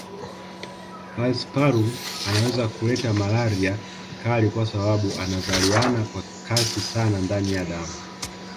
Falciparum anaweza kuleta malaria kali kwa sababu anazaliana kwa kasi sana ndani ya damu